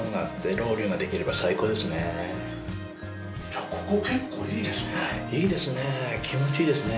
じゃあここ結構いいですね。